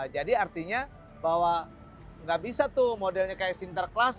jadi artinya bahwa nggak bisa tuh modelnya kayak sinterklas